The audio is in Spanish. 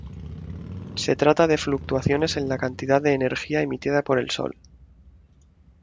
Se trata de fluctuaciones en la cantidad de energía emitida por el Sol.